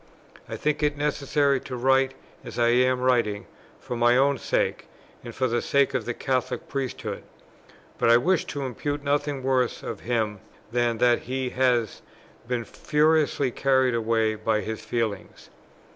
I think it necessary to write as I am writing, for my own sake, and for the sake of the Catholic Priesthood; but I wish to impute nothing worse to him than that he has been furiously carried away by his feelings.